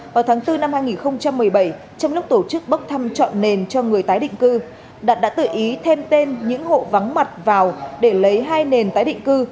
vào tháng bốn năm hai nghìn một mươi bảy trong lúc tổ chức bốc thăm chọn nền cho người tái định cư đạt đã tự ý thêm tên những hộ vắng mặt vào để lấy hai nền tái định cư